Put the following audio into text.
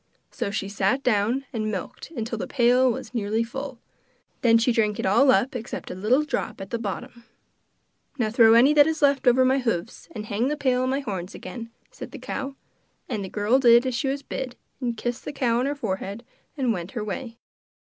So she sat down and milked till the pail was nearly full. Then she drank it all up except a little drop at the bottom. 'Now throw any that is left over my hoofs, and hang the pail on my horns again,' said the cow. And the girl did as she was bid, and kissed the cow on her forehead and went her way.